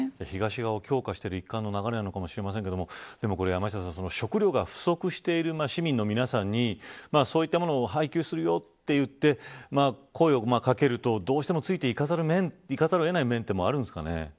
東側を強化しての一環の流れかもしれませんがでも山下さん、食料が不足している市民の皆さんにそういったものを配給するよと言って声をかけるとどうしても、ついていかざるをえない面もあるんですかね。